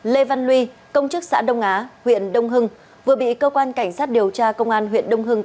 lê văn luy công chức xã đông á huyện đông hưng vừa bị cơ quan cảnh sát điều tra công an huyện đông hưng